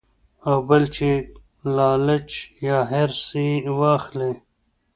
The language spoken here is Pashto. او بل چې لالچ يا حرص ئې واخلي -